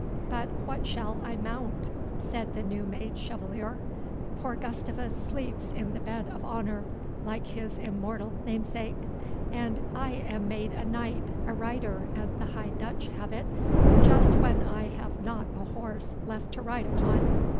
"But what shall I mount?" said the new made chevalier. "Poor Gustavus sleeps in the bed of honour, like his immortal namesake! and I am made a knight, a rider, as the High Dutch have it, just when I have not a horse left to ride upon."